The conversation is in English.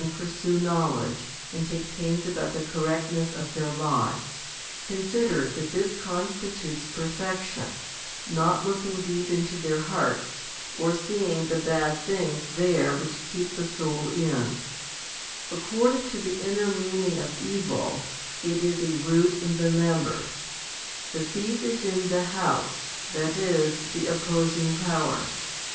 Many people who are well informed about outward things, and pursue knowledge, and take pains about the correctness of their lives, consider that this constitutes per fection, not looking deep into their hearts, or seeing the bad things there which keep the soul in. According to the inner meaning of evil, it is a root in the members ; the thief is in the house, that is, the opposing power.